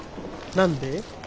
何で？